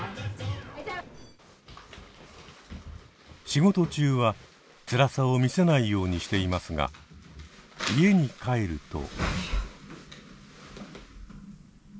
仕事中はつらさを見せないようにしていますが家に帰ると。